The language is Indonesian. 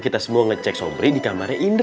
kita semua ngecek sobri di kamarnya indah